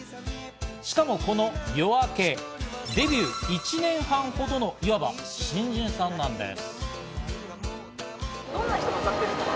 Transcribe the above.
しかもこのＹＯＡＫＥ、デビュー１年半ほどのいわば新人さんなんです。